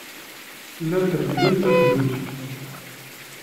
Llant regglent abduz.